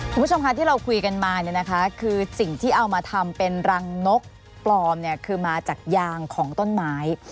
คุณผู้ชมค่ะที่เราคุยกันมาเนี่ยนะคะคือสิ่งที่เอามาทำเป็นรังนกปลอมเนี่ยคือมาจากยางของต้นไม้